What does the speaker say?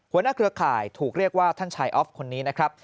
หัวหน้าเครือข่ายถูกเรียกว่าท่านชายอฟซ์คนนี้นะครับ